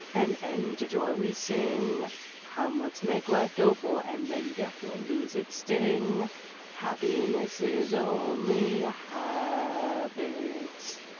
An end to joy we sing: Come let's make life doleful and then death will lose its sting, Happiness is only a habit!